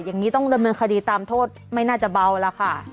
อย่างนี้ต้องดำเนินคดีตามโทษไม่น่าจะเบาแล้วค่ะ